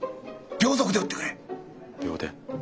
秒速で売ってくれ！秒で！？